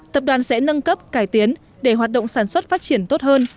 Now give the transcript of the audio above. tập đoàn sẽ nâng cấp cải tiến để hoạt động sản xuất phát triển tốt hơn